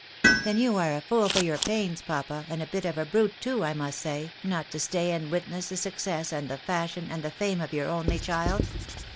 "Then you are a fool for your pains, papa, and a bit of a brute too, I must say, not to stay and witness the success, and the fashion, and the fame of your only child.